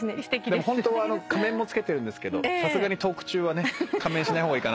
ホントは仮面も着けてるんですけどさすがにトーク中はね仮面しない方がいいかなと。